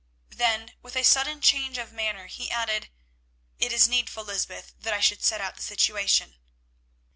Then, with a sudden change of manner, he added, "It is needful, Lysbeth, that I should set out the situation."